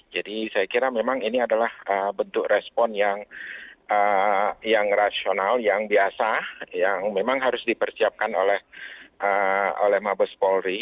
jadi saya kira memang ini adalah bentuk respon yang rasional yang biasa yang memang harus dipersiapkan oleh mabes polri